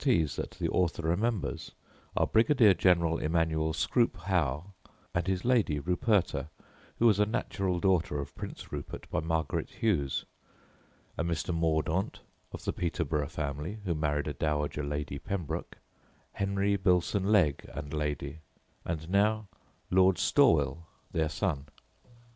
The grantees that the author remembers are Brigadier General Emanuel Scroope Howe, and his lady, Ruperta, who was a natural daughter of Prince Rupert by Margaret Hughs; a Mr. Mordaunt, of the Peterborough family, who married a dowager Lady Pembroke; Henry Bilson Legge and lady; and now Lord Stawel, their son.